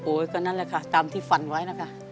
ก็นั่นแหละค่ะตามที่ฝันไว้นะคะ